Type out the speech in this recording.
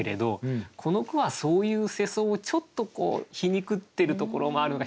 この句はそういう世相をちょっと皮肉ってるところもあるのか